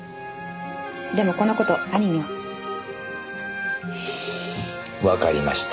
でもこの事兄には。わかりました。